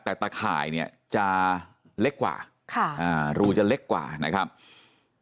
แต่ตาข่ายจะเล็กกว่ารูจะเล็กกว่านะครับ